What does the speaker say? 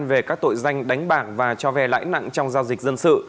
về các tội danh đánh bạc và cho ve lãi nặng trong giao dịch dân sự